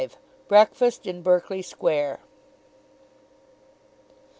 BREAKFAST IN BERKELEY SQUARE.